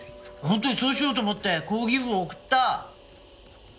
本当にそうしようと思って抗議文を送った！